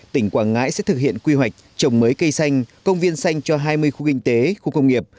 tỉnh quảng ngãi sẽ thực hiện quy hoạch trồng mới cây xanh công viên xanh cho hai mươi khu kinh tế khu công nghiệp